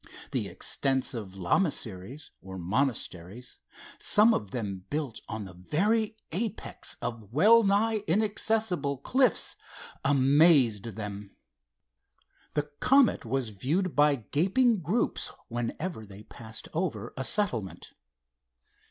The extensive lamaseries, or monasteries, some of them built on the very apex of well nigh inaccessible cliffs, amazed them. The Comet was viewed by gaping groups whenever they passed over a settlement.